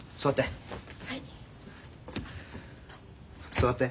座って。